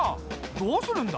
どうするんだ？